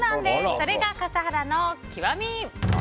それが笠原の極み。